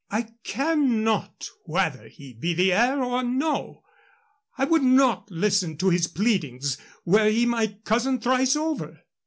"I care not whether he be the heir or no I would not listen to his pleadings were he my cousin thrice over."